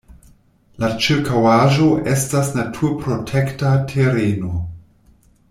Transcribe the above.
La ĉirkaŭaĵo estas naturprotekta tereno.